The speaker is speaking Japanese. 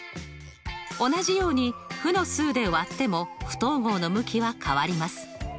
同じように負の数で割っても不等号の向きは変わります。